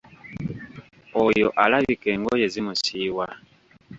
Oyo alabika engoye zimusiiwa.